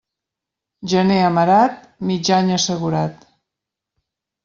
Gener amarat, mig any assegurat.